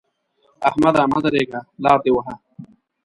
احمده! مه درېږه؛ لاره دې وهه.